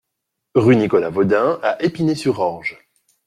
Rue Nicolas Vaudin à Épinay-sur-Orge